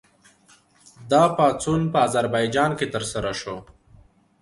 دا پاڅون په اذربایجان کې ترسره شو.